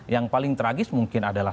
yang paling tragis mungkin adalah